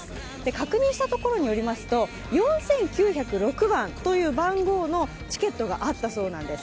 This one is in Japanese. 確認したところによりますと４９０６番という番号のチケットがあったそうなんです。